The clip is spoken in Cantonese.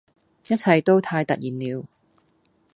一切都太突然了